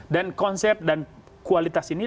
dan konsep dan kualitas ini